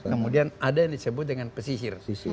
kemudian ada yang disebut dengan pesisir